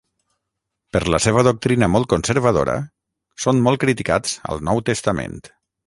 Per la seva doctrina molt conservadora són molt criticats al Nou Testament.